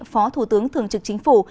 phó thủ tướng thường trực chính phủ